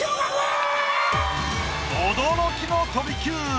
驚きの飛び級！